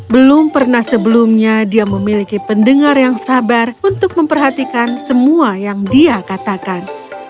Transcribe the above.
belum pernah sebelumnya dia memiliki pendengar yang sabar untuk memperhatikan semua yang dia katakan